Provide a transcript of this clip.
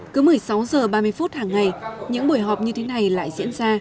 cứ một mươi sáu h ba mươi phút hàng ngày những buổi họp như thế này lại diễn ra